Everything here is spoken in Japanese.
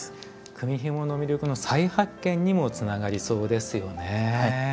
組みひもの魅力の再発見にもつながりそうですよね。